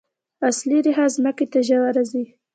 اصلي ریښه ځمکې ته ژوره ځي